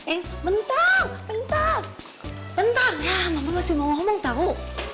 eh bentar bentar bentar ya mama masih mau ngomong tau